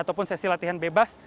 ataupun sesi latihan bebas